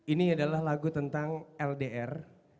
ini adalah lagu tentang ldr